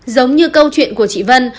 giống như câu chuyện của chị vân